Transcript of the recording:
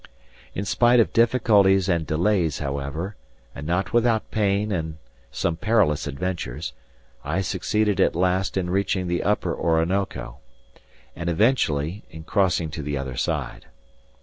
In spite of difficulties and delays, however, and not without pain and some perilous adventures, I succeeded at last in reaching the upper Orinoco, and, eventually, in crossing to the other side.